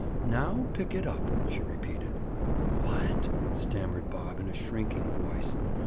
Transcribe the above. "Now pick it up," she repeated. "What?" stammered Bob in a shrinking voice.